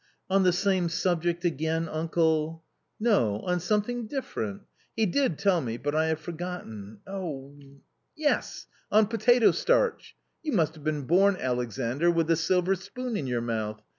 " On the same subject again, uncle ?"" No ; on something different ; he did tell me but I have forgotten — oh! yes — on potato starch. You must have been born, Alexandr, with a silver spoon in your mouth.